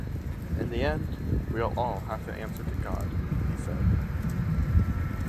In the end, we'll all have to answer to God, he said.